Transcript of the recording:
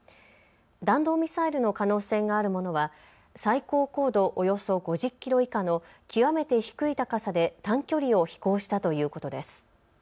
弾道ミサイルの可能性があるものは最高高度およそ５０キロ以下の極めて低い高さで短距離を飛行したということです。